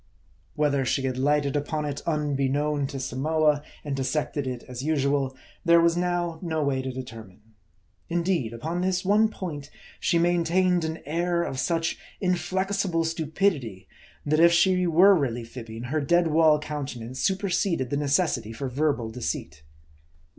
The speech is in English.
Whether she had lighted upon it unbeknown to Samoa, and dissected it as usual, there was now no way to determine. Indeed, upon this one point, she maintained an air of such inflexible stupidity, that if she were really fibbing, her dead wall countenance superseded the necessity for verbal deceit.